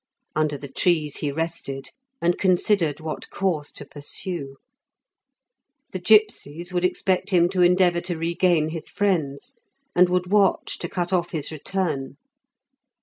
Under the trees he rested, and considered what course to pursue. The gipsies would expect him to endeavour to regain his friends, and would watch to cut off his return.